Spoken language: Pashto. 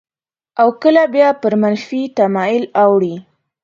او کله بیا پر منفي تمایل اوړي.